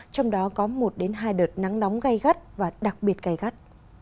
trong đó có một đến hai đợt nắng nóng gây gắt và đặc biệt gây gắt